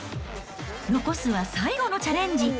残すは最後のチャレンジ。